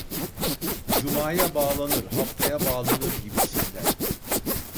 Cumaya bağlanır haftaya bağlanır gibisinden